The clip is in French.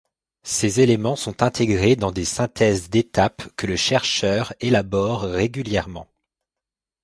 Ces éléments sont intégrés dans des synthèses d’étapes que le chercheur élabore régulièrement.